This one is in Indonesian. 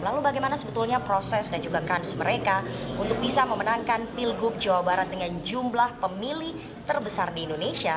lalu bagaimana sebetulnya proses dan juga kans mereka untuk bisa memenangkan pilgub jawa barat dengan jumlah pemilih terbesar di indonesia